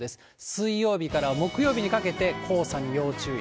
水曜日から木曜日にかけて、黄砂に要注意。